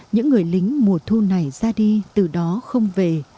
những người lính mùa thu này ra đi từ đó không về